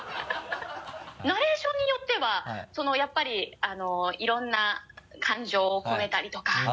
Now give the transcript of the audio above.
ナレーションによってはやっぱりいろんな感情を込めたりとか。